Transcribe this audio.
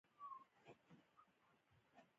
زه د خولې وچوالی لرم.